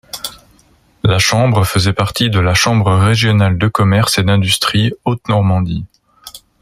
La chambre faisait partie de la chambre régionale de commerce et d'industrie Haute-Normandie.